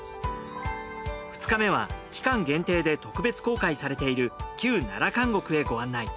２日目は期間限定で特別公開されている旧奈良監獄へご案内。